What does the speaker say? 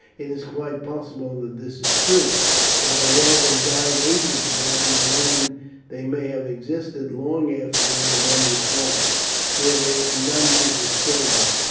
It is quite possible that this is true, for although they died ages ago on the land they may have existed long afterwards among the swamps where there were none to disturb them.